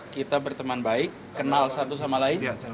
kita berteman baik kenal satu sama lain